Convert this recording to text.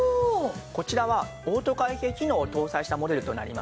こちらはオート開閉機能を搭載したモデルとなります。